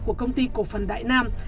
của công ty cổ phần đại nam